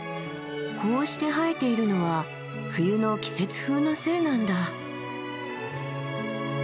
こうして生えているのは冬の季節風のせいなんだ。